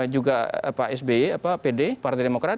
juga pak sby pd partai demokrat